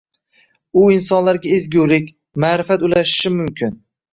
U insonlarga ezgulik, ma’rifat ulashishi mumkin.